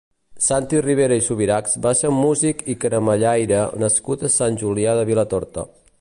Santi Riera i Subirachs va ser un músic i caramellaire nascut a Sant Julià de Vilatorta.